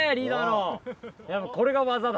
やっぱこれが技だ。